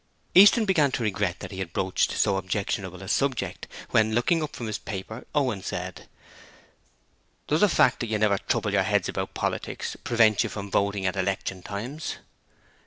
Easton began to regret that he had broached so objectionable a subject, when, looking up from his paper, Owen said: 'Does the fact that you never "trouble your heads about politics" prevent you from voting at election times?'